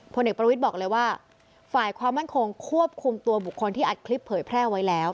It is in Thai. พลเอกประวิทย์บอกเลยว่าฝ่ายความมั่นคงควบคุมตัวบุคคลที่อัดคลิปเผยแพร่ไว้แล้ว